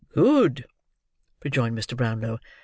"Good!" rejoined Mr. Brownlow.